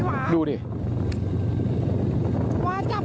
หวานจับไงนั่งนะหล่นอ่ะลูก